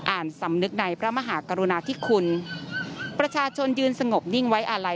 สำนึกในพระมหากรุณาธิคุณประชาชนยืนสงบนิ่งไว้อาลัย